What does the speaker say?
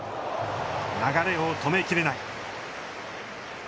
流れを止めきれない。